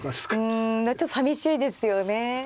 うんちょっとさみしいですよね。